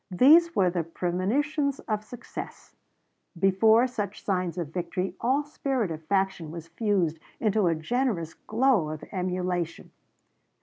These were the premonitions of success; before such signs of victory all spirit of faction was fused into a generous glow of emulation.